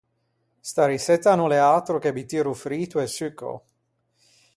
Sta reçetta a no l’é atro che butiro frito e succao.